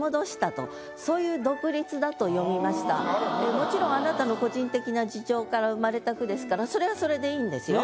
もちろんあなたの個人的な事情から生まれた句ですからそれはそれでいいんですよ。